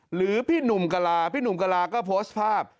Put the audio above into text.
หรือพี่หนุ่มกะลาพี่หนุ่มกะลาก็โพสต์ภาพ